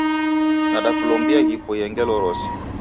Nadakulombia ghipoie ngelo rose